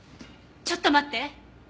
ちょっと待って！